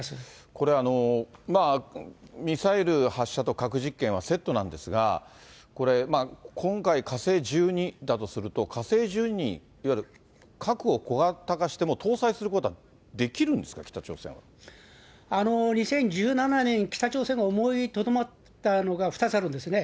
これ、ミサイル発射と核実験はセットなんですが、今回、火星１２だとすると、火星１２に核を小型化しても、搭載することはで２０１７年、北朝鮮が思いとどまったのが２つあるんですね。